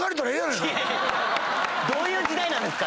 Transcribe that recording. どういう時代なんですか⁉